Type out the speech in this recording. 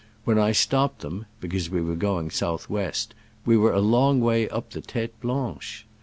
When I stopped them (because we were going south west) we were a long way up the Tete Blanche